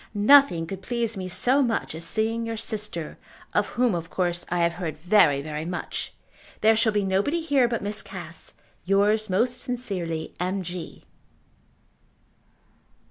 Nothing could please me so much as seeing your sister, of whom of course I have heard very very much. There shall be nobody here but Miss Cass. Yours most sincerely, M. G.